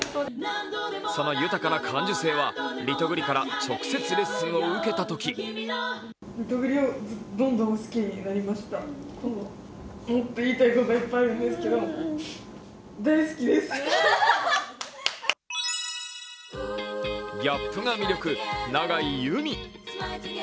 その豊かな感受性はリトグリから直接レッスンを受けたときギャップが魅力・永井結海。